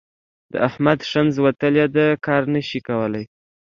د احمد ښنځ وتلي دي؛ کار نه شي کولای.